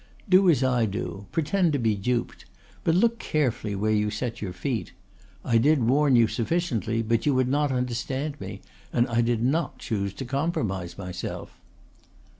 Do as I do; pretend to be duped; but look carefully where you set your feet. I did warn you sufficiently, but you would not understand me, and I did not choose to compromise myself."